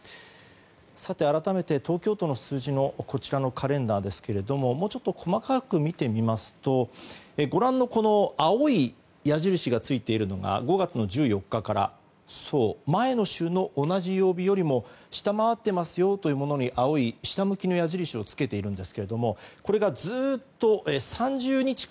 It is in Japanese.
改めて、東京都の数字のこちらのカレンダーですがもうちょっと細かく見てみますとご覧の青い矢印がついているのが５月の１４日から前の週の同じ曜日よりも下回っていますよというものに青い下向きの矢印をつけているんですがこれがずっと３０日間